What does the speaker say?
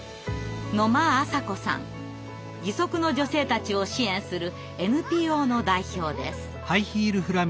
義足の女性たちを支援するＮＰＯの代表です。